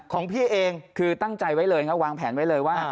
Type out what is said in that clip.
ของพี่เองคือตั้งใจไว้เลยครับวางแผนไว้เลยว่า